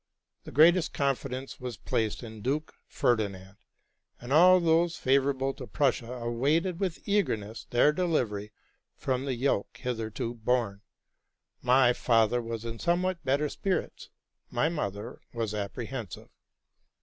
The greatest confidence was placed in Duke Ferdinand, and all those favorable to Prussia awaited with eagerness their delivery from the yoke hitherto borne. My father was in somewhat better spirits: my mother was apprehensive.